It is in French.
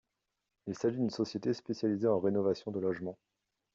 Il s'agit d'une société spécialisée en rénovation de logements.